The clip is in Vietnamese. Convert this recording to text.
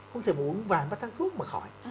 không thể mà uống vài ba tháng thuốc mà khỏi